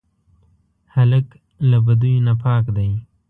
هلک له بدیو نه پاک دی.